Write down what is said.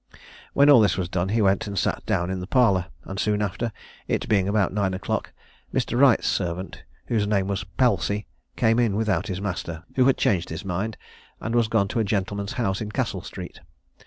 When all this was done, he went and sat down in the parlour, and soon after, it being about nine o'clock, Mr. Wright's servant, whose name was Pelsey, came in without his master, who had changed his mind, and was gone to a gentleman's house in Castle street.